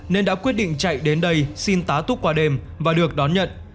nên đã quyết định chạy đến đây xin tá túc qua đêm và được đón nhận